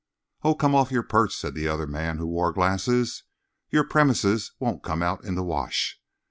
"Oh, come off your perch!" said the other man, who wore glasses. "Your premises won't come out in the wash.